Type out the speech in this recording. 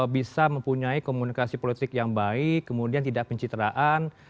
bisa mempunyai komunikasi politik yang baik kemudian tidak pencitraan